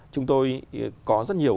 chúng tôi có rất nhiều